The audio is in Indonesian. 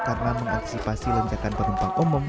karena mengantisipasi lenjakan penumpang umum